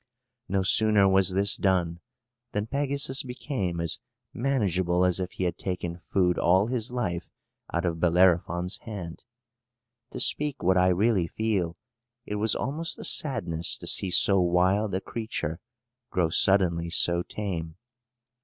No sooner was this done, than Pegasus became as manageable as if he had taken food all his life out of Bellerophon's hand. To speak what I really feel, it was almost a sadness to see so wild a creature grow suddenly so tame.